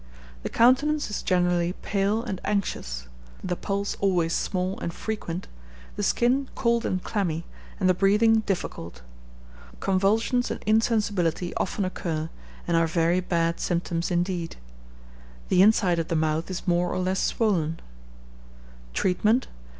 The countenance is generally pale and anxious; the pulse always small and frequent; the skin cold and clammy, and the breathing difficult. Convulsions and insensibility often occur, and are very bad symptoms indeed. The inside of the mouth is more or less swollen. Treatment.